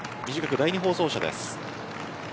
第２放送車です。